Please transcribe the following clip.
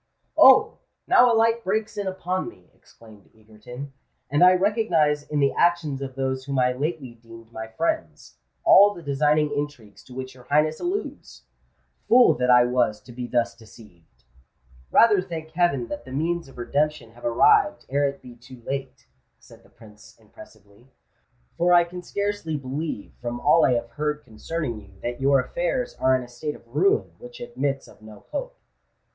"Oh! now a light breaks in upon me," exclaimed Egerton; "and I recognise in the actions of those whom I lately deemed my friends, all the designing intrigues to which your Highness alludes! Fool that I was to be thus deceived!" "Rather thank heaven that the means of redemption have arrived ere it be too late," said the Prince, impressively; "for I can scarcely believe, from all I have heard concerning you, that your affairs are in a state of ruin which admits of no hope."